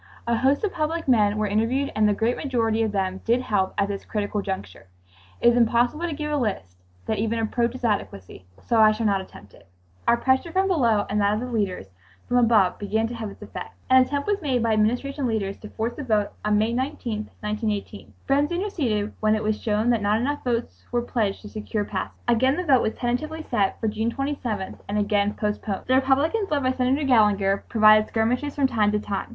A host of public men were interviewed and the great majority of them did help at this critical juncture. It is impossible to give a list that even approaches adequacy, so I shall not attempt it. Our pressure from below and that of the leaders from above began to have its effect. An attempt was made by Administration leaders to force a vote on May 19, 1918. Friends interceded when it was shown that not enough votes were pledged to secure passage. Again the vote was tentatively set for June 27th and again postponed. The Republicans, led by Senator Gallinger, provided skirmishes from time to time.